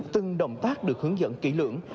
từng động tác được hướng dẫn kỹ lưỡng